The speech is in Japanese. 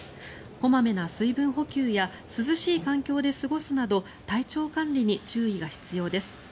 小まめな水分補給や涼しい環境で過ごすなど体調管理に注意が必要です。